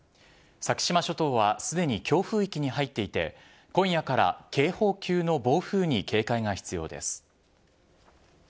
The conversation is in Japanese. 先島諸島はすでに強風域に入っていて、今夜から警報級の暴風に警戒が必要です。